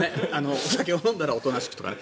お酒を飲んだらおとなしくとかね。